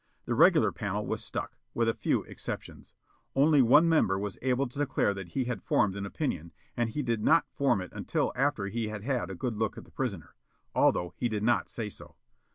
The regular panel was stuck, with a few exceptions. Only one member was able to declare that he had formed an opinion, and he did not form it until after he had had a good look at the prisoner, although he did not say so.